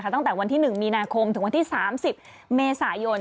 ตั้งแต่วันที่๑มีนาคมถึงวันที่๓๐เมษายน